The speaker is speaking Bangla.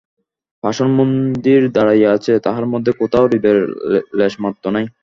পাষাণমন্দির দাঁড়াইয়া আছে, তাহার মধ্যে কোথাও হৃদয়ের লেশমাত্র নাই।